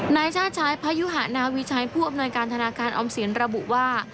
นายชาติชายพยุหานาวิชัยผู้อำนวยการธนาคารออมสินระบุว่า